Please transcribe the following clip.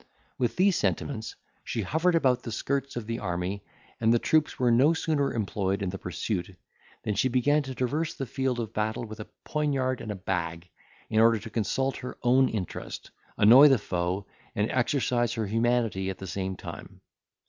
With these sentiments she hovered about the skirts of the army, and the troops were no sooner employed in the pursuit, than she began to traverse the field of battle with a poignard and a bag, in order to consult her own interest, annoy the foe, and exercise her humanity at the same time.